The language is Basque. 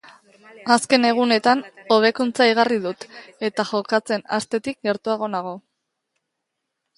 Azken egunetan hobekuntza igarri dut, eta jokatzen hastetik gertuago nago.